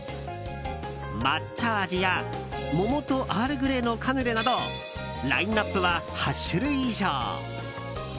抹茶味や桃とアールグレイのカヌレなどラインアップは８種類以上。